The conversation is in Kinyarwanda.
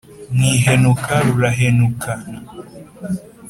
mu ihenukja rurahenukana,